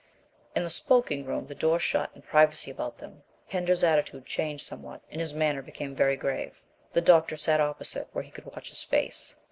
In the smoking room, the door shut and privacy about them, Pender's attitude changed somewhat, and his manner became very grave. The doctor sat opposite, where he could watch his face.